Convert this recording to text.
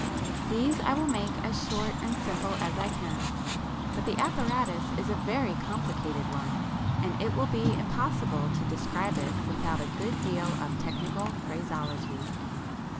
These I will make as short and simple as I can, but the apparatus is a very complicated one, and it will be impossible to describe it without a good deal of technical phraseology.